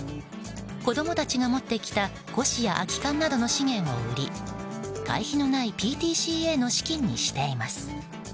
子供たちが持ってきた古紙や空き缶などの資源を売り会費のないＰＴＣＡの資金にしています。